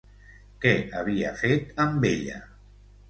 Què havia fet amb ella?